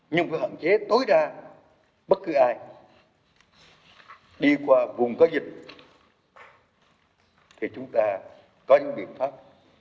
nhưng phải hạn chế tối đa bất cứ ai đi qua vùng có dịch thì chúng ta có những biện pháp